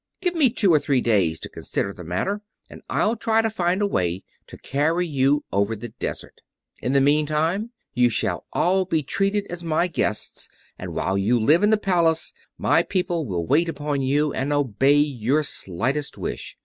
"Give me two or three days to consider the matter and I'll try to find a way to carry you over the desert. In the meantime you shall all be treated as my guests, and while you live in the Palace my people will wait upon you and obey your slightest wish.